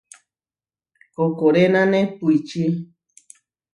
Koʼkorenane puičí.